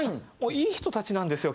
いい人たちなんですよ